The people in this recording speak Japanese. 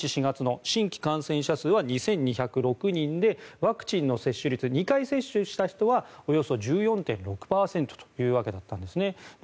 新規感染者数は２２０６人でワクチンの接種率２回接種した人はおよそ１４．６％というわけだったんです。